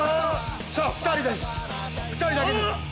さあ２人です２人だけ。